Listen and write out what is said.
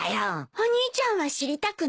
お兄ちゃんは知りたくないの？